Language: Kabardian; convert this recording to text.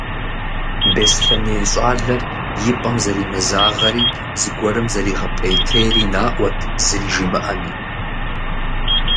Беслъэней щӏалэр и пӀэм зэримызагъэри зыгуэрым зэригъэпӀейтейри наӀуэт, зыри жимыӀэми.